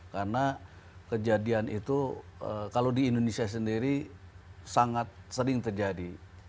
karena kejadian itu kalau di indonesia sendiri sangat sering terjadi